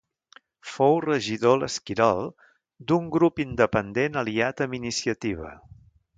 Fou regidor a l'Esquirol d'un grup independent aliat amb Iniciativa.